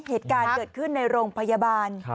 เหตุการณ์เกิดขึ้นในโรงพยาบาล